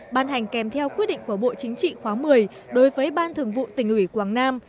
ban hành kèm theo quyết định của bộ chính trị khóa một mươi đối với ban thường vụ tỉnh ủy quảng nam